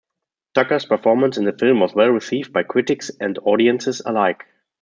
Tucker's performance in the film was well received by critics and audiences alike.